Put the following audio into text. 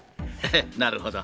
なるほど。